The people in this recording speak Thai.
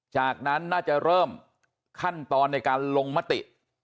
จากนั้นน่าจะเริ่มขั้นตอนในการลงมติ